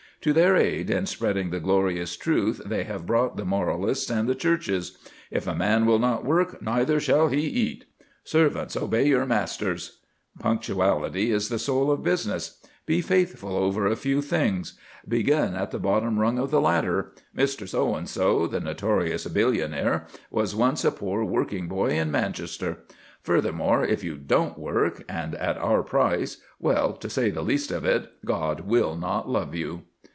To their aid in spreading the glorious truth they have brought the moralists and the Churches: "'if a man will not work, neither shall he eat.' 'Servants, obey your masters.' Punctuality is the soul of business. Be faithful over a few things. Begin at the bottom rung of the ladder. Mr. So and so, the notorious billionaire, was once a poor working boy in Manchester. Furthermore, if you don't work and at our price well, to say the least of it, God will not love you."